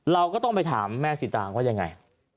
เราก็ต้องไปถามแม่สีตางว่ายังไง